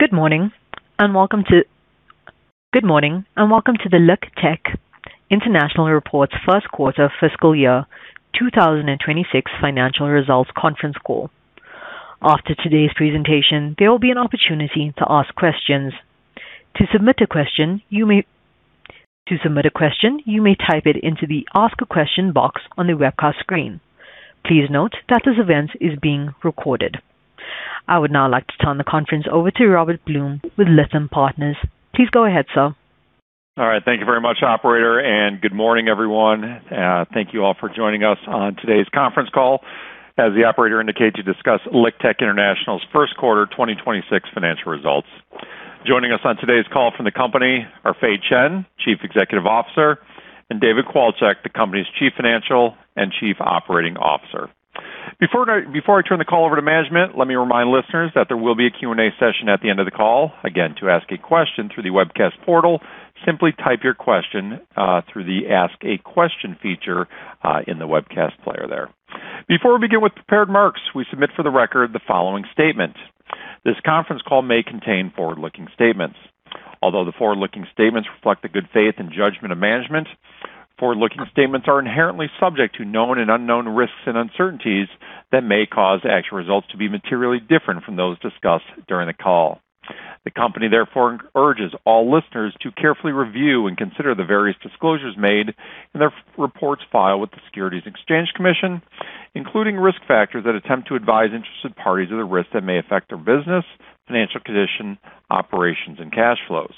Good morning, and welcome to the LiqTech International Reports First Quarter Fiscal Year 2026 Financial Results Conference Call. After today's presentation, there will be an opportunity to ask questions. To submit a question, you may type it into the Ask a Question box on the webcast screen. Please note that this event is being recorded. I would now like to turn the conference over to Robert Blum with Lytham Partners. Please go ahead, sir. All right. Thank you very much, operator, good morning, everyone. Thank you all for joining us on today's conference call. As the operator indicated, to discuss LiqTech International's first quarter 2026 financial results. Joining us on today's call from the company are Fei Chen, Chief Executive Officer, and David Kowalczyk, the company's Chief Financial and Chief Operating Officer. Before I turn the call over to management, let me remind listeners that there will be a Q&A session at the end of the call. Again, to ask a question through the webcast portal, simply type your question through the Ask a Question feature in the webcast player there. Before we begin with prepared remarks, we submit for the record the following statement. This conference call may contain forward-looking statements. Although the forward-looking statements reflect the good faith and judgment of management, forward-looking statements are inherently subject to known and unknown risks and uncertainties that may cause actual results to be materially different from those discussed during the call. The company therefore urges all listeners to carefully review and consider the various disclosures made in their reports filed with the Securities and Exchange Commission, including risk factors that attempt to advise interested parties of the risks that may affect their business, financial position, operations, and cash flows.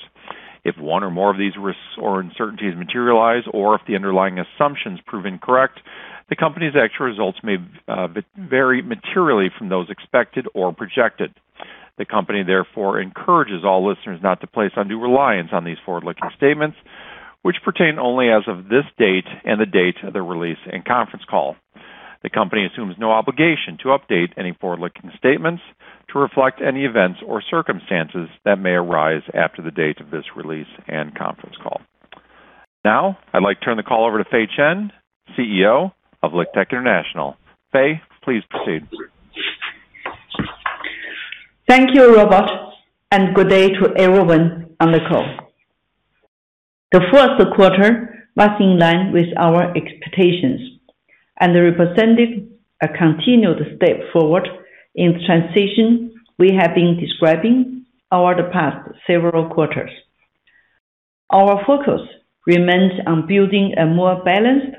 If one or more of these risks or uncertainties materialize, or if the underlying assumptions prove incorrect, the company's actual results may vary materially from those expected or projected. The company therefore encourages all listeners not to place undue reliance on these forward-looking statements, which pertain only as of this date and the date of the release and conference call. The company assumes no obligation to update any forward-looking statements to reflect any events or circumstances that may arise after the date of this release and conference call. Now, I'd like to turn the call over to Fei Chen, CEO of LiqTech International. Fei, please proceed. Thank you, Robert, and good day to everyone on the call. The first quarter was in line with our expectations and represented a continued step forward in transition we have been describing over the past several quarters. Our focus remains on building a more balanced,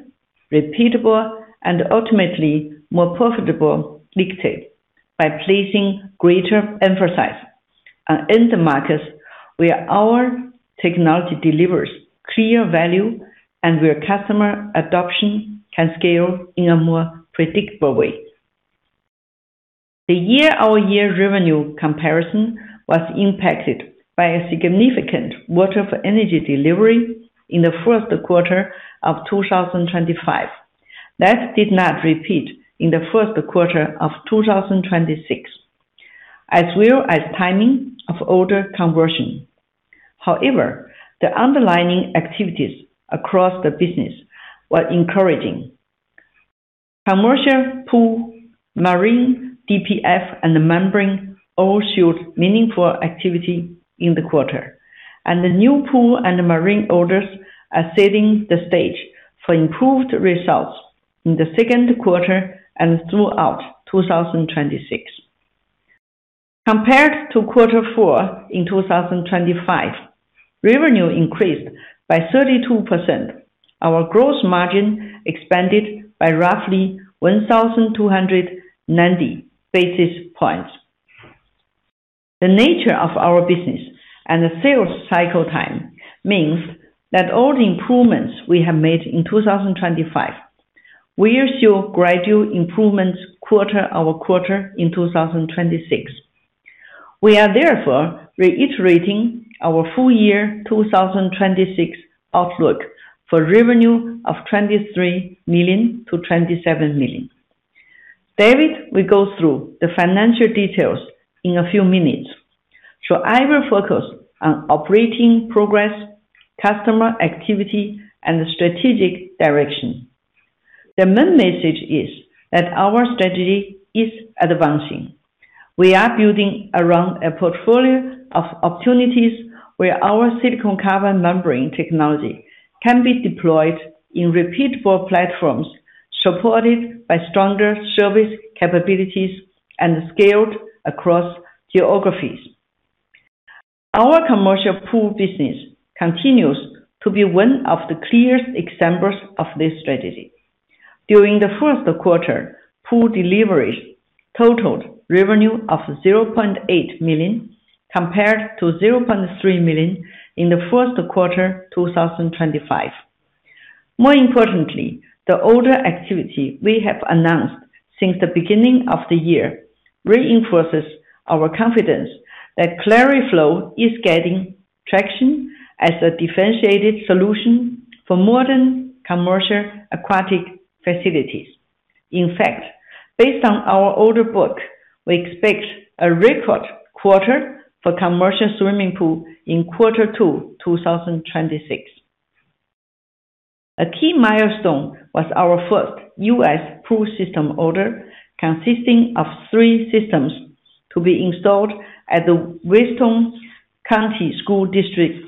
repeatable, and ultimately more profitable LiqTech by placing greater emphasis on end markets where our technology delivers clear value and where customer adoption can scale in a more predictable way. The year-over-year revenue comparison was impacted by a significant water for energy delivery in the first quarter of 2025 that did not repeat in the first quarter of 2026, as well as timing of order conversion. The underlying activities across the business were encouraging. Commercial pool, marine DPF, and membrane all showed meaningful activity in the quarter, and the new pool and marine orders are setting the stage for improved results in the second quarter and throughout 2026. Compared to quarter four in 2025, revenue increased by 32%. Our gross margin expanded by roughly 1,290 basis points. The nature of our business and the sales cycle time means that all the improvements we have made in 2025 will show gradual improvements quarter-over-quarter in 2026. We are therefore reiterating our full year 2026 outlook for revenue of 23 million-27 million. David will go through the financial details in a few minutes. I will focus on operating progress, customer activity, and strategic direction. The main message is that our strategy is advancing. We are building around a portfolio of opportunities where our silicon carbide membrane technology can be deployed in repeatable platforms, supported by stronger service capabilities and scaled across geographies. Our commercial pool business continues to be one of the clearest examples of this strategy. During the first quarter, pool deliveries totaled revenue of 0.8 million, compared to 0.3 million in the first quarter 2025. More importantly, the order activity we have announced since the beginning of the year reinforces our confidence that QlariFlow is gaining traction as a differentiated solution for modern commercial aquatic facilities. In fact, based on our order book, we expect a record quarter for commercial swimming pool in quarter two 2026. A key milestone was our first U.S. pool system order, consisting of three systems to be installed at the Weston County School District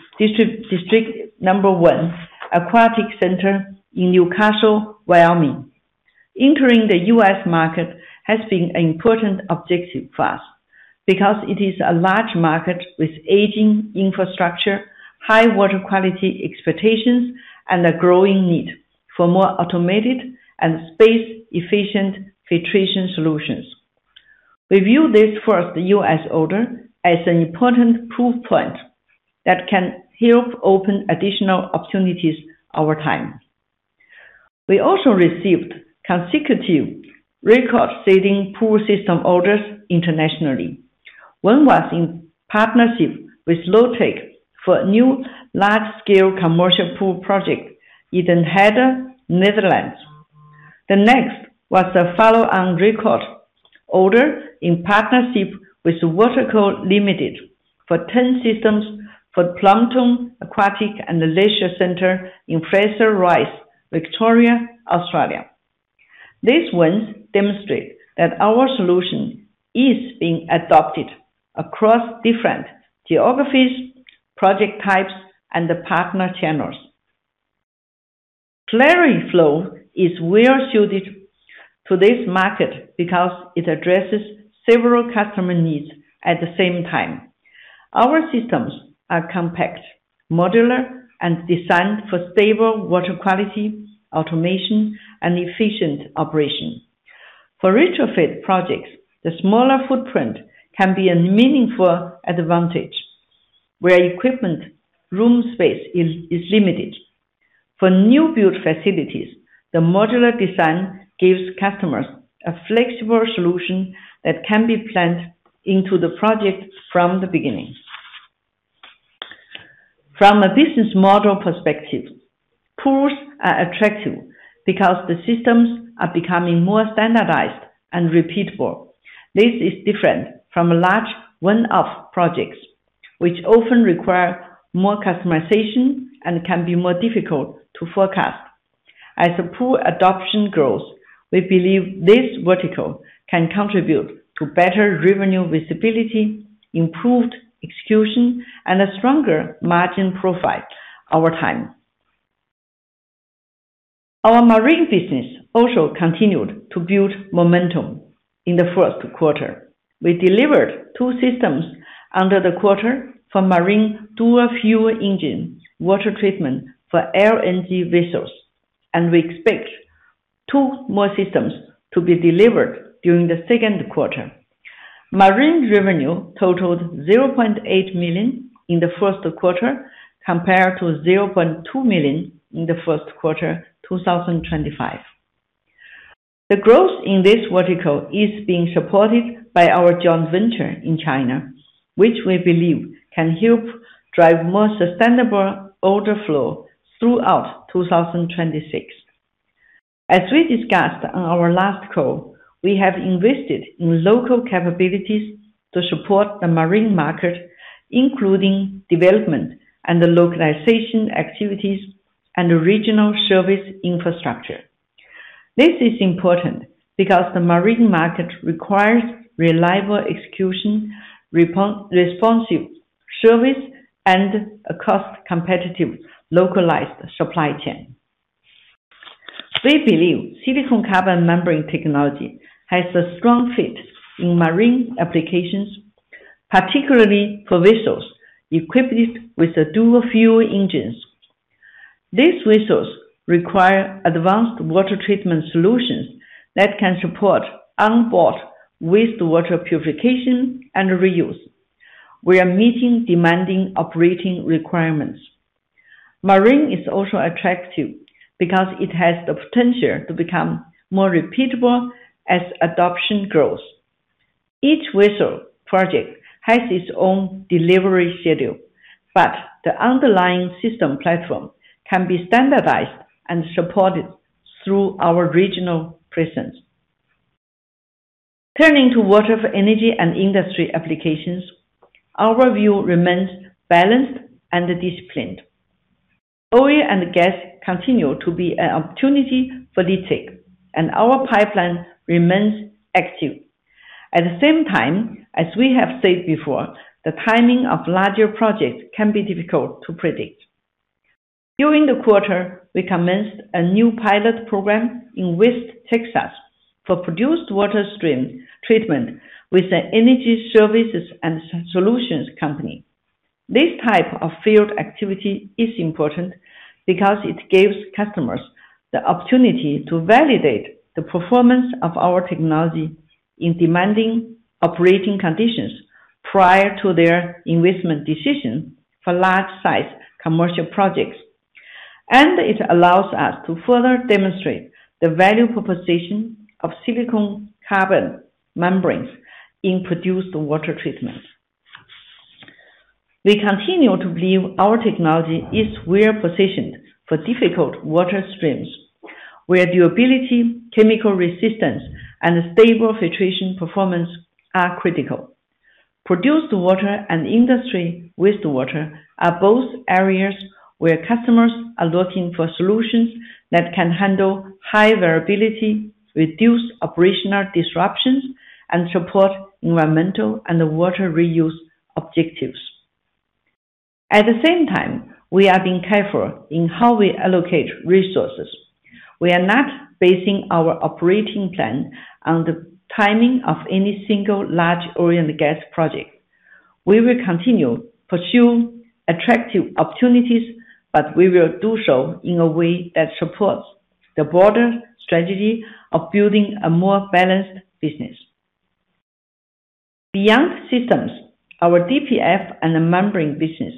number one Aquatic Center in Newcastle, Wyoming. Entering the U.S. market has been an important objective for us because it is a large market with aging infrastructure, high water quality expectations, and a growing need for more automated and space-efficient filtration solutions. We view this first U.S. order as an important proof point that can help open additional opportunities over time. We also received consecutive record-setting pool system orders internationally. One was in partnership with Lotec for a new large-scale commercial pool project in Den Helder, Netherlands. The next was a follow-on record order in partnership with Waterco Limited for 10 systems for the Plumpton Aquatic and Leisure Centre in Fraser Rise, Victoria, Australia. These wins demonstrate that our solution is being adopted across different geographies, project types, and the partner channels. QlariFlow is well-suited to this market because it addresses several customer needs at the same time. Our systems are compact, modular, and designed for stable water quality, automation, and efficient operation. For retrofit projects, the smaller footprint can be a meaningful advantage where equipment room space is limited. For new build facilities, the modular design gives customers a flexible solution that can be planned into the project from the beginning. From a business model perspective, pools are attractive because the systems are becoming more standardized and repeatable. This is different from large one-off projects, which often require more customization and can be more difficult to forecast. As the pool adoption grows, we believe this vertical can contribute to better revenue visibility, improved execution, and a stronger margin profile over time. Our marine business also continued to build momentum in the first quarter. We delivered two systems under the quarter for marine dual-fuel engine water treatment for LNG vessels, and we expect two more systems to be delivered during the second quarter. Marine revenue totaled 0.8 million in the first quarter, compared to 0.2 million in the first quarter 2025. The growth in this vertical is being supported by our joint venture in China, which we believe can help drive more sustainable order flow throughout 2026. As we discussed on our last call, we have invested in local capabilities to support the marine market, including development and the localization activities and regional service infrastructure. This is important because the marine market requires reliable execution, responsive service, and a cost-competitive localized supply chain. We believe silicon carbide membrane technology has a strong fit in marine applications, particularly for vessels equipped with the dual-fuel engines. These vessels require advanced water treatment solutions that can support onboard wastewater purification and reuse, where meeting demanding operating requirements. Marine is also attractive because it has the potential to become more repeatable as adoption grows. Each vessel project has its own delivery schedule, but the underlying system platform can be standardized and supported through our regional presence. Turning to water for energy and industry applications, our view remains balanced and disciplined. Oil and gas continue to be an opportunity for LiqTech, and our pipeline remains active. At the same time, as we have said before, the timing of larger projects can be difficult to predict. During the quarter, we commenced a new pilot program in West Texas for produced water stream treatment with an energy services and solutions company. This type of field activity is important because it gives customers the opportunity to validate the performance of our technology in demanding operating conditions prior to their investment decision for large-size commercial projects. It allows us to further demonstrate the value proposition of silicon carbide membranes in produced water treatment. We continue to believe our technology is well-positioned for difficult water streams where durability, chemical resistance, and stable filtration performance are critical. produced water and industry wastewater are both areas where customers are looking for solutions that can handle high variability, reduce operational disruptions, and support environmental and water reuse objectives. At the same time, we are being careful in how we allocate resources. We are not basing our operating plan on the timing of any single large oil and gas project. We will continue pursue attractive opportunities, but we will do so in a way that supports the broader strategy of building a more balanced business. Beyond systems, our DPF and membrane business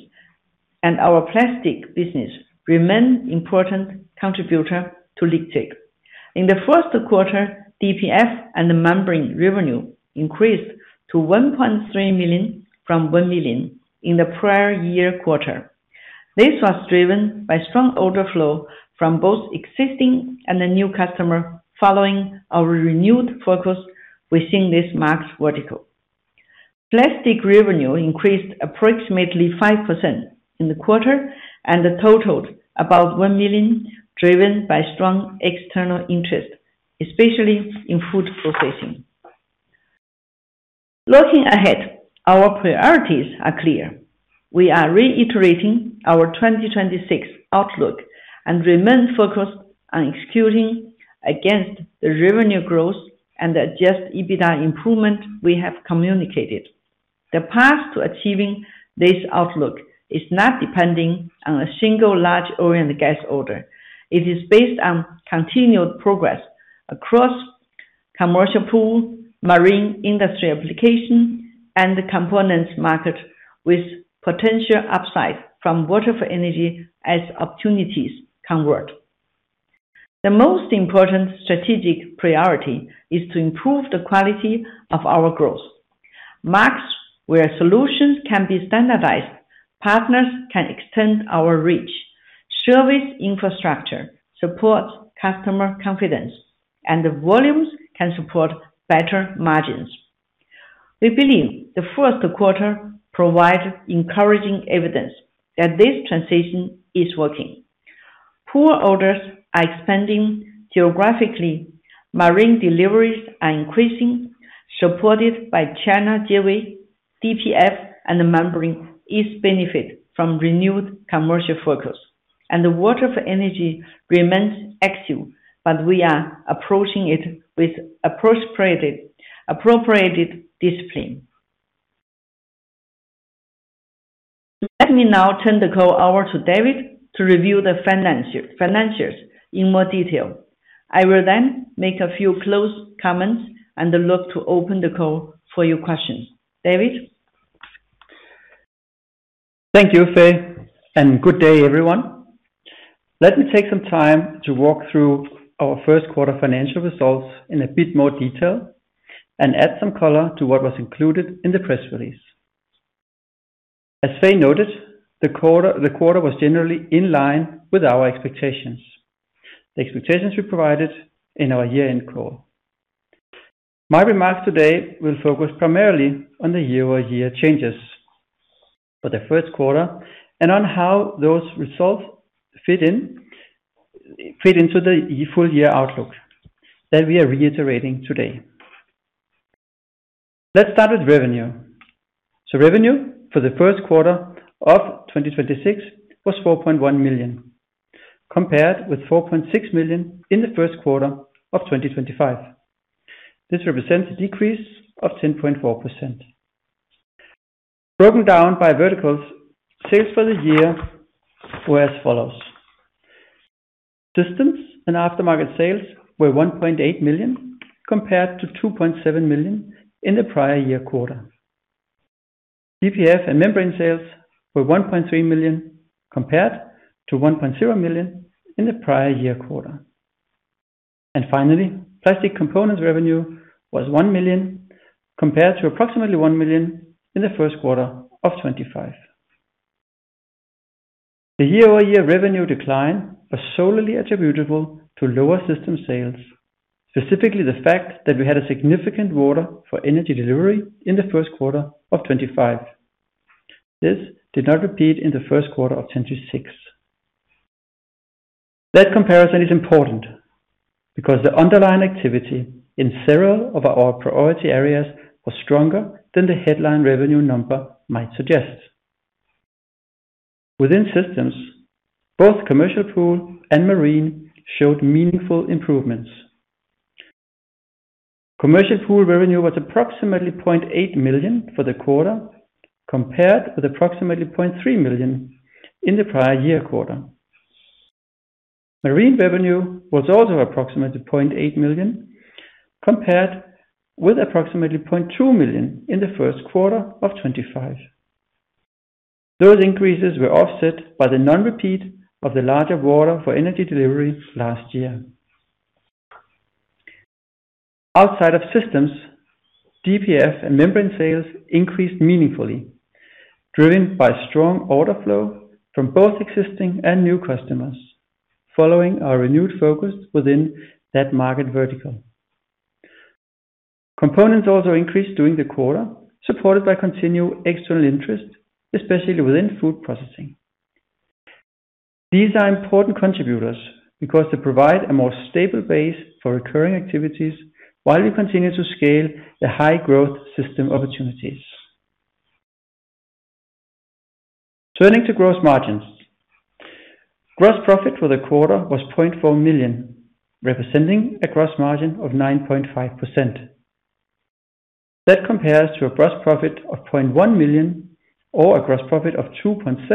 and our plastic business remain important contributor to LiqTech. In the first quarter, DPF and membrane revenue increased to 1.3 million from 1 million in the prior year quarter. This was driven by strong order flow from both existing and the new customer following our renewed focus within this marks vertical. Plastic revenue increased approximately 5% in the quarter and totaled about 1 million, driven by strong external interest, especially in food processing. Looking ahead, our priorities are clear. We are reiterating our 2026 outlook and remain focused on executing against the revenue growth and adjusted EBITDA improvement we have communicated. The path to achieving this outlook is not depending on a single large oil and gas order. It is based on continued progress across commercial pool, marine industry application, and the components market with potential upside from water for energy as opportunities convert. The most important strategic priority is to improve the quality of our growth. Markets where solutions can be standardized, partners can extend our reach, service infrastructure supports customer confidence, and the volumes can support better margins. We believe the first quarter provide encouraging evidence that this transition is working. Pool orders are expanding geographically. Marine deliveries are increasing, supported by China JV. DPF and membrane is benefit from renewed commercial focus. The water for energy remains active, but we are approaching it with appropriated discipline. Let me now turn the call over to David to review the financials in more detail. I will then make a few close comments and look to open the call for your questions. David? Thank you, Fei, and good day, everyone. Let me take some time to walk through our first quarter financial results in a bit more detail and add some color to what was included in the press release. As Fei noted, the quarter was generally in line with our expectations, the expectations we provided in our year-end call. My remarks today will focus primarily on the year-over-year changes for the first quarter and on how those results fit into the full-year outlook that we are reiterating today. Let's start with revenue. Revenue for the first quarter of 2026 was 4.1 million, compared with 4.6 million in the first quarter of 2025. This represents a decrease of 10.4%. Broken down by verticals, sales for the year were as follows: Systems and aftermarket sales were 1.8 million, compared to 2.7 million in the prior year quarter. DPF and membrane sales were 1.3 million, compared to 1.0 million in the prior year quarter. Finally, plastic components revenue was 1 million, compared to approximately 1 million in the first quarter of 2025. The year-over-year revenue decline was solely attributable to lower system sales, specifically the fact that we had a significant water for energy delivery in the first quarter of 2025. This did not repeat in the first quarter of 2026. That comparison is important because the underlying activity in several of our priority areas was stronger than the headline revenue number might suggest. Within systems, both commercial pool and marine showed meaningful improvements. Commercial pool revenue was approximately 0.8 million for the quarter, compared with approximately 0.3 million in the prior year quarter. Marine revenue was also approximately 0.8 million, compared with approximately 0.2 million in the first quarter of 2025. Those increases were offset by the non-repeat of the larger water for energy delivery last year. Driven by strong order flow from both existing and new customers, following our renewed focus within that market vertical. Components also increased during the quarter, supported by continued external interest, especially within food processing. These are important contributors because they provide a more stable base for recurring activities while we continue to scale the high growth system opportunities. Turning to gross margins. Gross profit for the quarter was 0.4 million, representing a gross margin of 9.5%. That compares to a gross profit of 0.1 million or a gross profit of 2.7%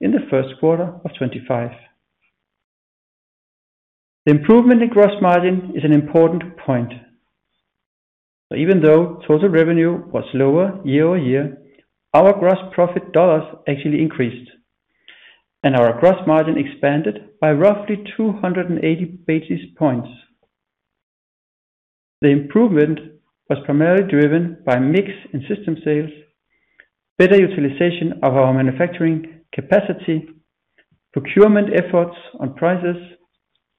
in the first quarter of 2025. The improvement in gross margin is an important point. Even though total revenue was lower year-over-year, our DKK gross profit actually increased, and our gross margin expanded by roughly 280 basis points. The improvement was primarily driven by mix in system sales, better utilization of our manufacturing capacity, procurement efforts on prices,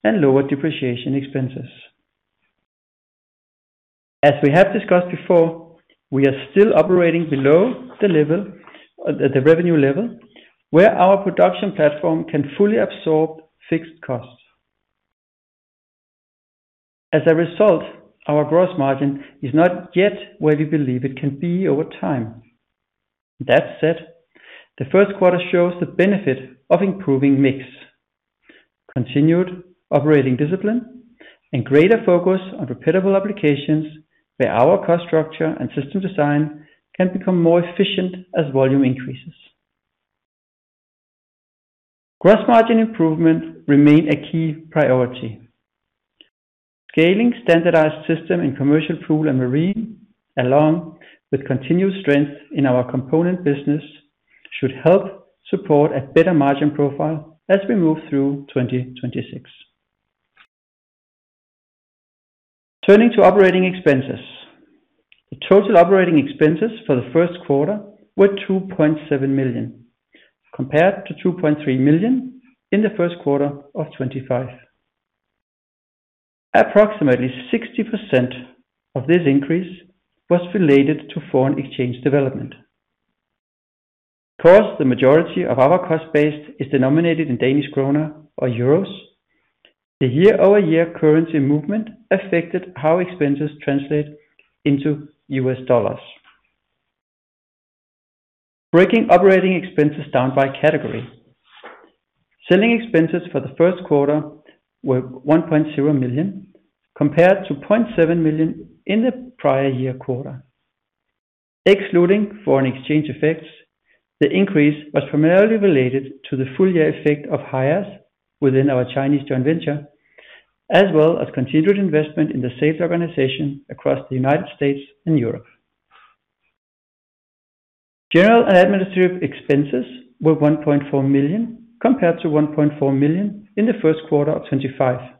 and lower depreciation expenses. As we have discussed before, we are still operating below the level, the revenue level, where our production platform can fully absorb fixed costs. As a result, our gross margin is not yet where we believe it can be over time. That said, the first quarter shows the benefit of improving mix, continued operating discipline, and greater focus on repeatable applications where our cost structure and system design can become more efficient as volume increases. Gross margin improvement remained a key priority. Scaling standardized systems in commercial pool and marine, along with continued strength in our component business, should help support a better margin profile as we move through 2026. Turning to operating expenses. The total operating expenses for the first quarter were 2.7 million, compared to 2.3 million in the first quarter of 2025. Approximately 60% of this increase was related to foreign exchange development. Because the majority of our cost base is denominated in Danish kroner or euros, the year-over-year currency movement affected how expenses translate into U.S. dollars. Breaking operating expenses down by category. Selling expenses for the first quarter were 1.0 million, compared to 0.7 million in the prior year quarter. Excluding foreign exchange effects, the increase was primarily related to the full year effect of hires within our Chinese joint venture, as well as continued investment in the sales organization across the United States and Europe. General and administrative expenses were 1.4 million, compared to 1.4 million in the first quarter of 2025.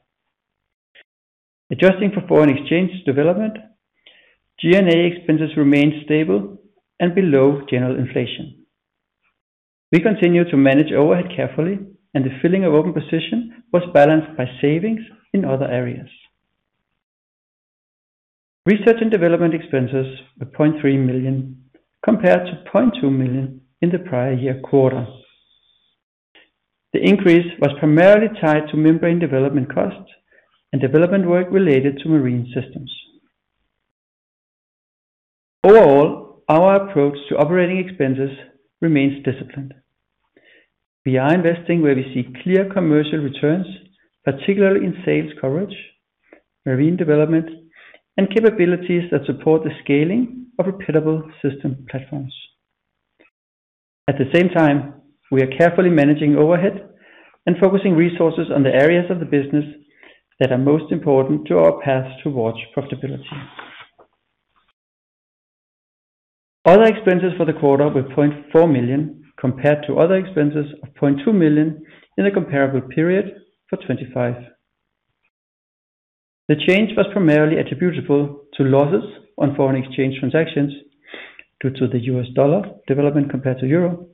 Adjusting for foreign exchange development, G&A expenses remained stable and below general inflation. We continue to manage overhead carefully, and the filling of open position was balanced by savings in other areas. Research and development expenses were 0.3 million, compared to 0.2 million in the prior year quarter. The increase was primarily tied to membrane development costs and development work related to marine systems. Overall, our approach to operating expenses remains disciplined. We are investing where we see clear commercial returns, particularly in sales coverage, marine development, and capabilities that support the scaling of repeatable system platforms. At the same time, we are carefully managing overhead and focusing resources on the areas of the business that are most important to our path towards profitability. Other expenses for the quarter were 0.4 million, compared to other expenses of 0.2 million in the comparable period for 2025. The change was primarily attributable to losses on foreign exchange transactions due to the U.S. dollar development compared to euro,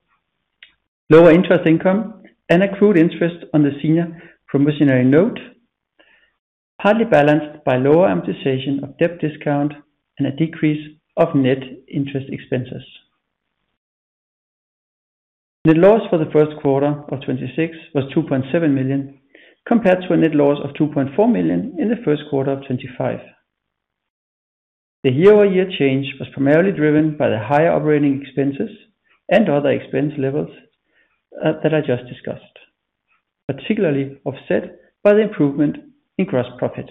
lower interest income, and accrued interest on the senior promissory note, partly balanced by lower amortization of debt discount and a decrease of net interest expenses. Net loss for the first quarter of 2026 was 2.7 million, compared to a net loss of 2.4 million in the first quarter of 2025. The year-over-year change was primarily driven by the higher operating expenses and other expense levels that I just discussed, particularly offset by the improvement in gross profit.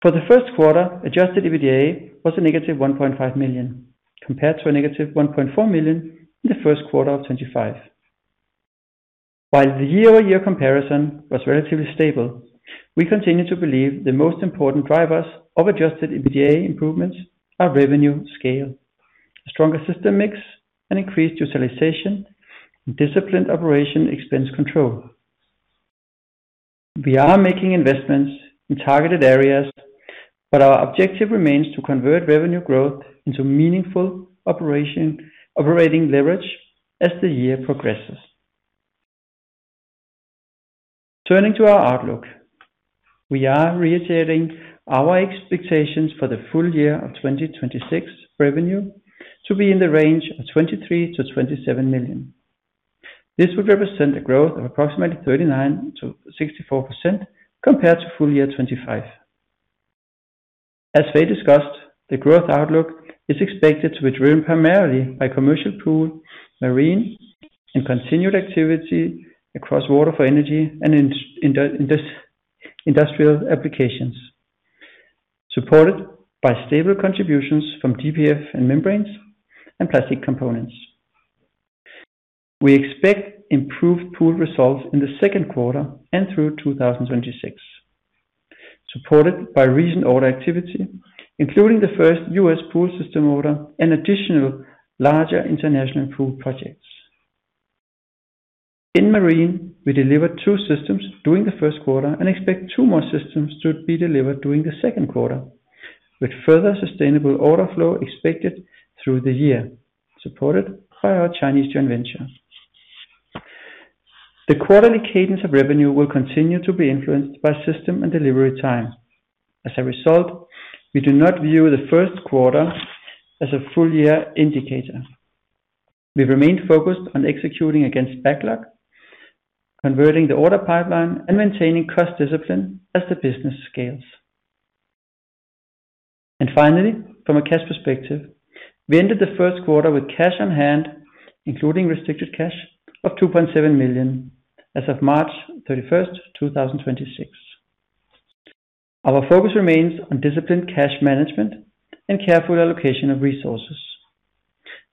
For the first quarter, adjusted EBITDA was a -1.5 million, compared to a -1.4 million in the first quarter of 2025. While the year-over-year comparison was relatively stable, we continue to believe the most important drivers of adjusted EBITDA improvements are revenue scale, a stronger system mix, and increased utilization, and disciplined operation expense control. We are making investments in targeted areas, but our objective remains to convert revenue growth into meaningful operating leverage as the year progresses. Turning to our outlook. We are reiterating our expectations for the full year of 2026 revenue to be in the range of 23 million-27 million. This would represent a growth of approximately 39%-64% compared to full year 2025. As Fei discussed, the growth outlook is expected to be driven primarily by commercial pool, marine, and continued activity across water for energy and industrial applications, supported by stable contributions from DPF and membranes and plastic components. We expect improved pool results in the second quarter and through 2026, supported by recent order activity, including the first U.S. pool system order and additional larger international pool projects. In marine, we delivered two systems during the first quarter and expect two more systems to be delivered during the second quarter, with further sustainable order flow expected through the year, supported by our Chinese joint venture. The quarterly cadence of revenue will continue to be influenced by system and delivery time. As a result, we do not view the first quarter as a full year indicator. We remain focused on executing against backlog, converting the order pipeline, and maintaining cost discipline as the business scales. Finally, from a cash perspective, we ended the first quarter with cash on hand, including restricted cash of 2.7 million as of March 31, 2026. Our focus remains on disciplined cash management and careful allocation of resources.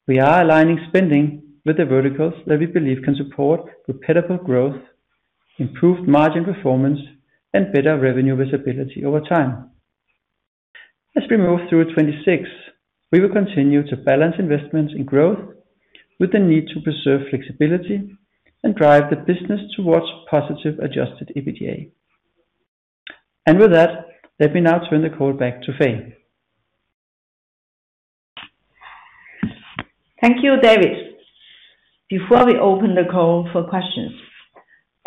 We are aligning spending with the verticals that we believe can support repeatable growth, improved margin performance, and better revenue visibility over time. As we move through 2026, we will continue to balance investments in growth with the need to preserve flexibility and drive the business towards positive adjusted EBITDA. With that, let me now turn the call back to Fei. Thank you, David. Before we open the call for questions,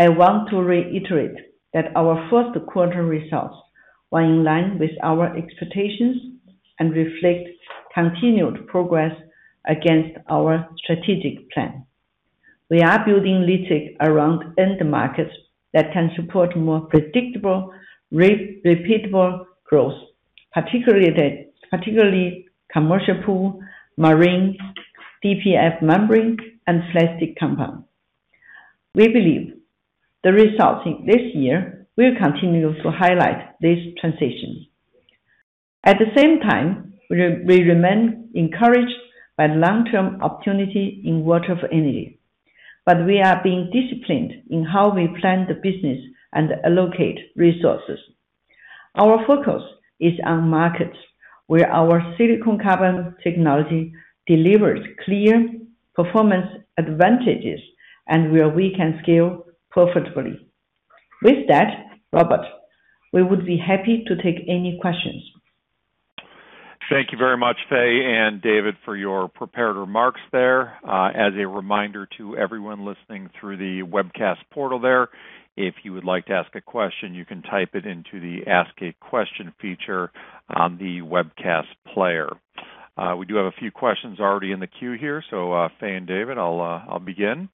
I want to reiterate that our first quarter results were in line with our expectations and reflect continued progress against our strategic plan. We are building LiqTech around end markets that can support more predictable, repeatable growth, particularly commercial pool, marine, DPF membrane, and plastic compounds. We believe the results in this year will continue to highlight this transition. At the same time, we remain encouraged by the long-term opportunity in water for energy, but we are being disciplined in how we plan the business and allocate resources. Our focus is on markets where our silicon carbide technology delivers clear performance advantages and where we can scale profitably. With that, Robert, we would be happy to take any questions. Thank you very much, Fei and David, for your prepared remarks there. As a reminder to everyone listening through the webcast portal there, if you would like to ask a question, you can type it into the Ask a Question feature on the webcast player. We do have a few questions already in the queue here. Fei and David, I'll begin.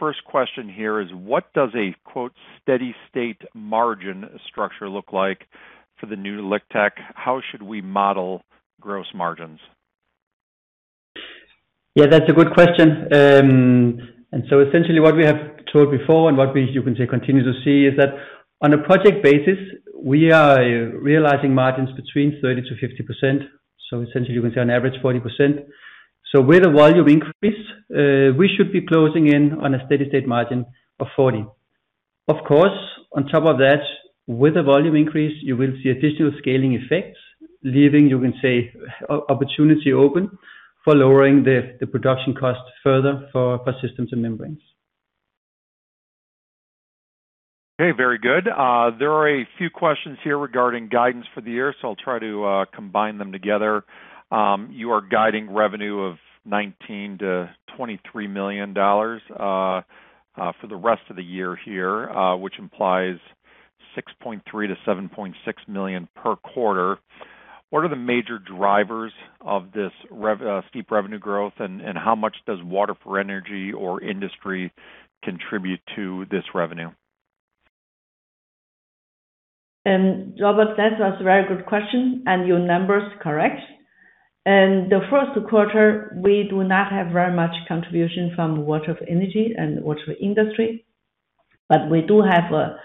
First question here is, what does a quote steady state margin structure look like for the new LiqTech? How should we model gross margins? Yeah, that's a good question. Essentially what we have told before and what we, you can say, continue to see is that on a project basis, we are realizing margins between 30%-50%. Essentially, you can say on average 40%. With a volume increase, we should be closing in on a steady-state margin of 40%. Of course, on top of that, with a volume increase, you will see additional scaling effects, leaving, you can say, opportunity open for lowering the production cost further for systems and membranes. Okay. Very good. There are a few questions here regarding guidance for the year, so I'll try to combine them together. You are guiding revenue of $19 million-$23 million for the rest of the year here, which implies $6.3 million-$7.6 million per quarter. What are the major drivers of this steep revenue growth, and how much does water for energy or industry contribute to this revenue? Robert, that was a very good question, and your number is correct. In the first quarter, we do not have very much contribution from water for energy and water for industry, but we do have a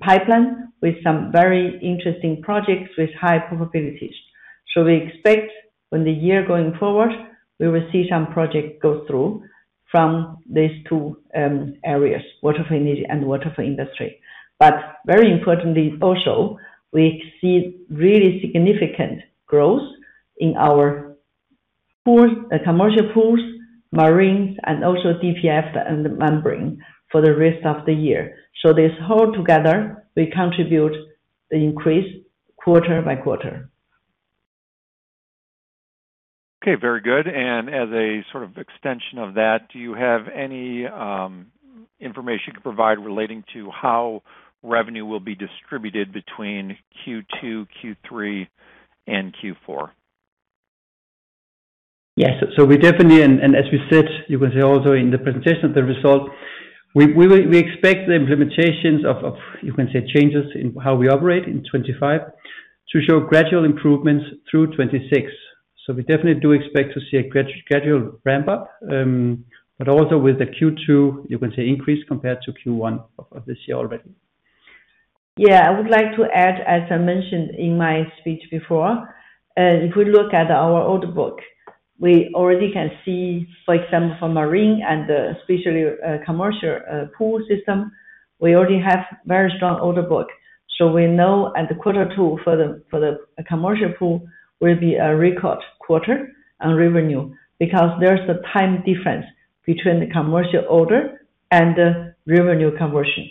pipeline with some very interesting projects with high probabilities. We expect when the year going forward, we will see some projects go through from these two areas, water for energy and water for industry. Very importantly also, we see really significant growth in our Pools, the commercial pools, marines, and also DPF and membrane for the rest of the year. This whole together will contribute the increase quarter-by-quarter. Okay. Very good. As a sort of extension of that, do you have any information you could provide relating to how revenue will be distributed between Q2, Q3, and Q4? Yes. We definitely and as we said, you can see also in the presentation of the result, we expect the implementations of, you can say, changes in how we operate in 2025 to show gradual improvements through 2026. We definitely do expect to see a gradual ramp up, but also with the Q2, you can say increase compared to Q1 of this year already. Yeah, I would like to add, as I mentioned in my speech before, if we look at our order book, we already can see, for example, for marine and especially commercial pool system, we already have very strong order book. We know at the quarter two for the commercial pool will be a record quarter on revenue because there's a time difference between the commercial order and the revenue conversion.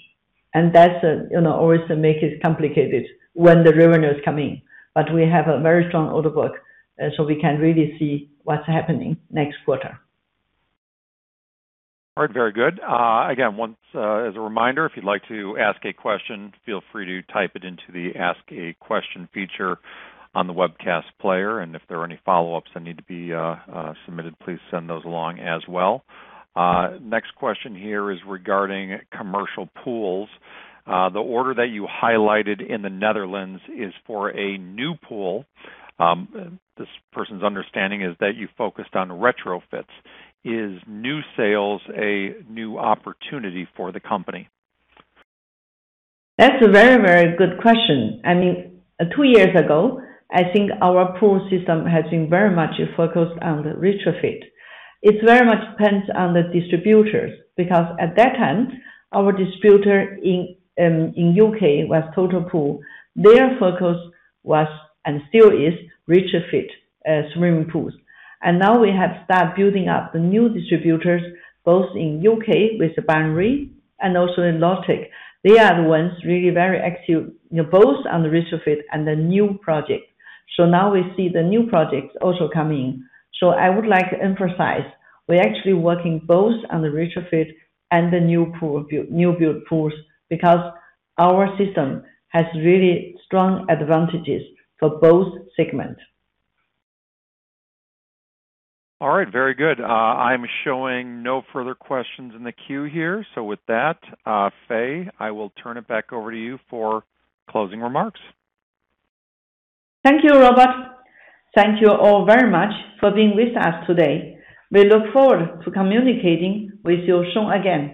That's, you know, always make it complicated when the revenue is coming. We have a very strong order book, we can really see what's happening next quarter. All right. Very good. Again, once as a reminder, if you'd like to ask a question, feel free to type it into the Ask a Question feature on the webcast player. If there are any follow-ups that need to be submitted, please send those along as well. Next question here is regarding commercial pools. The order that you highlighted in the Netherlands is for a new pool. This person's understanding is that you focused on retrofits. Is new sales a new opportunity for the company? That's a very, very good question. I mean, two years ago, I think our pool system has been very much focused on the retrofit. It very much depends on the distributors because at that time, our distributor in U.K. was Total Pool. Their focus was, and still is, retrofit swimming pools. Now we have started building up the new distributors, both in U.K. with Binari and also in Lotec. They are the ones really very active, you know, both on the retrofit and the new project. Now we see the new projects also coming. I would like to emphasize, we're actually working both on the retrofit and the new build pools because our system has really strong advantages for both segment. All right. Very good. I'm showing no further questions in the queue here. With that, Fei, I will turn it back over to you for closing remarks. Thank you, Robert. Thank you all very much for being with us today. We look forward to communicating with you soon again.